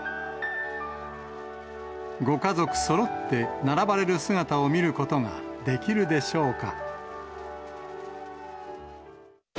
ご家族そろって並ばれる姿を見ることができるでしょうか。